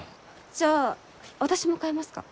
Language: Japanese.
じゃあ私も買えますか？